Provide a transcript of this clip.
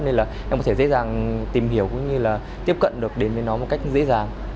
nên là em có thể dễ dàng tìm hiểu cũng như là tiếp cận được đến với nó một cách dễ dàng